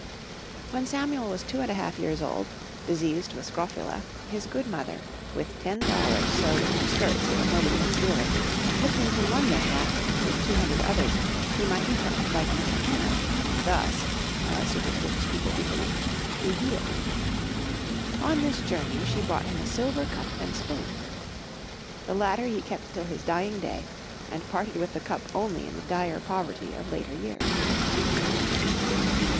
When Samuel was two and a half years old, diseased with scrofula, his good mother, with ten dollars sewed in her skirt so that nobody could steal it, took him to London that, with two hundred others, he might be touched by Queen Anne, and thus, as superstitious people believed, be healed. On this journey she bought him a silver cup and spoon. The latter he kept till his dying day, and parted with the cup only in the dire poverty of later years.